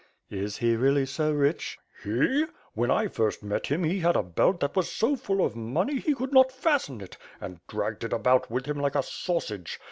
"Is he really so rich?" "He! When I first met him he had a belt that was so full of money that he could not fasten it, and dragged it about with him like a sausage.